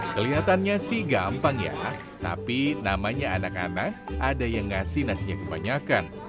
kelihatannya sih gampang ya tapi namanya anak anak ada yang ngasih nasinya kebanyakan